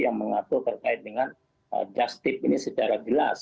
yang mengatur terkait dengan dastip ini secara jelas